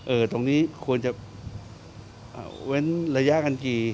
ตรงนี้ควรจะเว้นระยะกันกี่